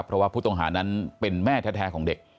เพราะว่าผู้ต้องหานั้นเป็นแม่แท้ของเด็ก